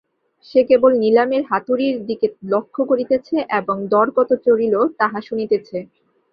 সে কেবল নিলামের হাতুড়ির দিকে লক্ষ্য করিতেছে এবং দর কত চড়িল, তাহা শুনিতেছে।